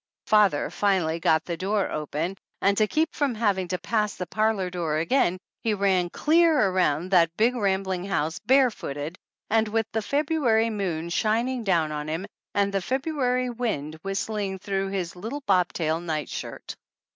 Father finally got the door open and, to keep 50 THE ANNALS OF ANN from having to pass the parlor door again, he ran clear around that big, rambling house, bare footed, and with the February moon shining down on him and the February wind whistling through his little bob tail night shirt.